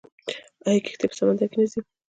آیا کښتۍ په سمندر کې نه ځي؟